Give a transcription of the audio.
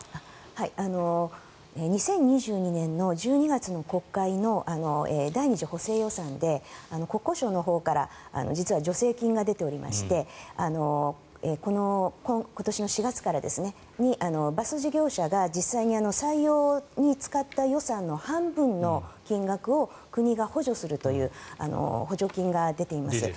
２０２２年の１２月の国会の第２次補正予算で国交省のほうから実は助成金が出ておりまして今年の４月にバス事業者が実際に採用に使った予算の半分の金額を国が補助するという補助金が出ています。